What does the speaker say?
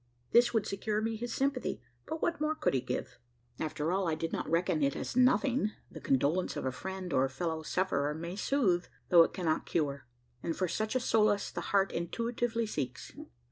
This would secure me his sympathy; but what more could he give? After all, I did not reckon it as nothing. The condolence of a friend or fellow sufferer may soothe, though it cannot cure; and for such a solace the heart intuitively seeks.